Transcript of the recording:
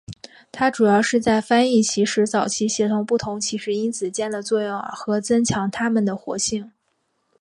它主要是在翻译起始早期协同不同起始因子间的作用和增强它们的活性。